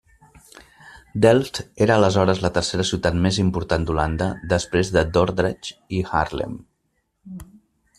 Delft era aleshores la tercera ciutat més important d'Holanda, després de Dordrecht i Haarlem.